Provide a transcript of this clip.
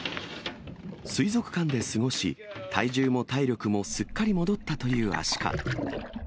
水族館で過ごし、体重も体力もすっかり戻ったというアシカ。